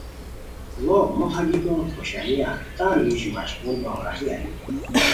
ڑو موخہ گیکو خوشانیہ تان موژی مشقول باؤ راہی ارینی